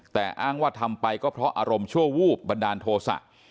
แต่อ้างว่าทำไปก็เพราะอารมณ์ชั่ววูบบันดาลโทษะ